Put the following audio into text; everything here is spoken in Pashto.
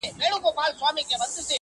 ستا د سترگو په بڼو کي را ايسار دي,